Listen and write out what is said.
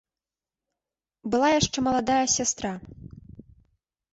Была яшчэ маладая сястра.